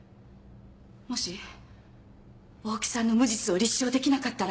もし大木さんの無実を立証できなかったら。